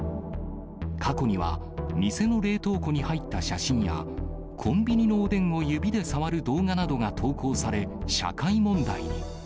過去には、店の冷凍庫に入った写真や、コンビニのおでんを指で触る動画などが投稿され、社会問題に。